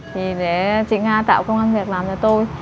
thì để chị nga tạo công an việc làm cho tôi